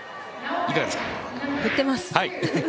振ってます。